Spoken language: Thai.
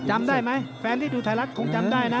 จำได้ไหมแฟนที่ดูไทยรัฐคงจำได้นะ